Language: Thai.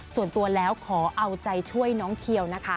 ส่วนตัวแล้วขอเอาใจช่วยน้องเคียวนะคะ